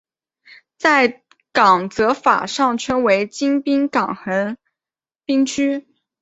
在港则法上称为京滨港横滨区。